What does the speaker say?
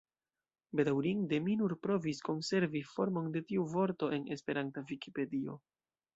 Bedaurinde mi nur provis konservi formon de tiu vorto en esperanta Vikipedio.